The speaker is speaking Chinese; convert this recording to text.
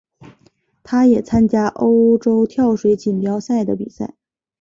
他也参加欧洲跳水锦标赛的比赛。